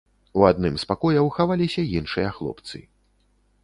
У адным з пакояў хаваліся іншыя хлопцы.